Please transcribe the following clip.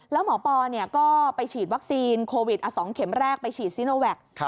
แล้วหมอปอก็ไปฉีดวัคซีนโควิด๒เข็มแรกไปฉีดซีโนแวค